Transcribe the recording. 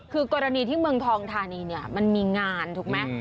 คือกรณีที่เมืองทองธานีเนี่ยมันมีงานถูกไหม